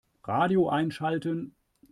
Radio einschalten.